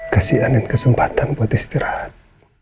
kasih anin kesempatan buat istirahat